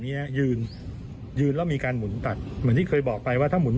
เนี้ยยืนยืนแล้วมีการหมุนตัดเหมือนที่เคยบอกไปว่าถ้าหมุน